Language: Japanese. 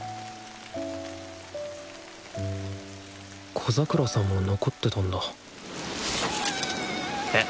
小桜さんも残ってたんだきゃっ！